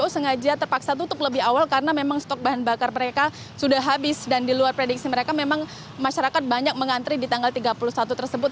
sengaja terpaksa tutup lebih awal karena memang stok bahan bakar mereka sudah habis dan di luar prediksi mereka memang masyarakat banyak mengantri di tanggal tiga puluh satu tersebut